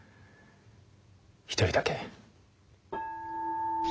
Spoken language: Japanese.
一人だけ。